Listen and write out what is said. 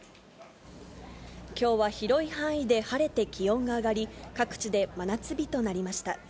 きょうは広い範囲で晴れて気温が上がり、各地で真夏日となりました。